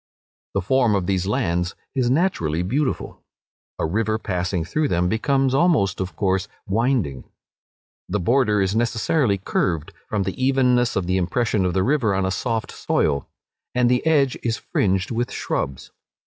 The form of these lands is naturally beautiful. A river passing through them becomes almost, of course, winding. The border is necessarily curved, from the evenness of the impression of the river on a soft soil; and the edge is fringed with shrubs.